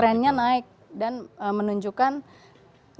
trendnya naik dan menunjukkan tren